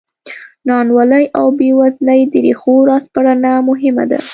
ناانډولۍ او بېوزلۍ د ریښو راسپړنه مهمه ده.